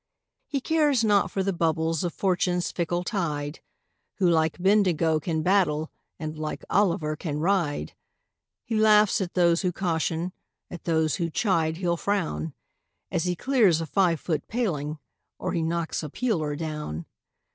He cares not for the bubbles of Fortune's fickle tide, Who like Bendigo can battle, and like Olliver can ride. He laughs at those who caution, at those who chide he'll frown, As he clears a five foot paling, or he knocks a peeler down.